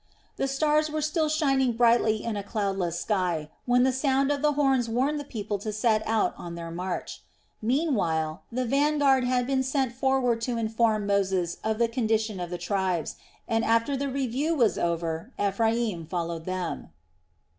The stars were still shining brightly in a cloudless sky when the sound of the horns warned the people to set out on their march. Meanwhile the vanguard had been sent forward to inform Moses of the condition of the tribes, and after the review was over, Ephraim followed them.